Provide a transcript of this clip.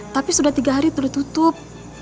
tapi sudah tiga hari sudah tutup